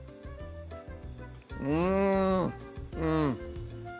うんうん！